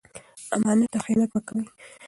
امانت ته خیانت مه کوئ.